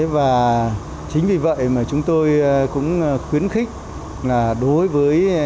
và chính vì vậy mà chúng tôi cũng khuyến khích là đối với